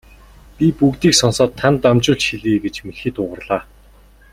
Би бүгдийг сонсоод танд дамжуулж хэлье гэж мэлхий дуугарлаа.